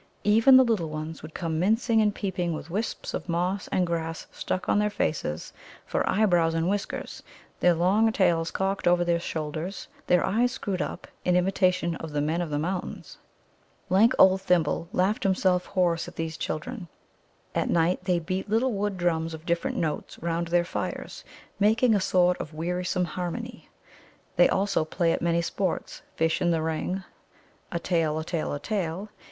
Even the little ones would come mincing and peeping with wisps of moss and grass stuck on their faces for eyebrows and whiskers, their long tails cocked over their shoulders, their eyes screwed up, in imitation of the Men of the Mountains. Lank old Thimble laughed himself hoarse at these children. At night they beat little wood drums of different notes round their fires, making a sort of wearisome harmony. They also play at many sports "Fish in the Ring," "A tail, a tail, a tail!"